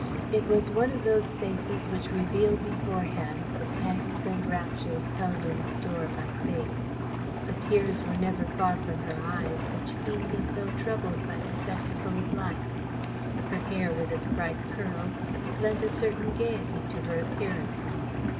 It was one of those faces which reveal beforehand the pangs and raptures held in store by fate. The tears were never far from her eyes, which seemed as though troubled by the spectacle of life. Her hair, with its bright curls, lent a certain gaiety to her appearance.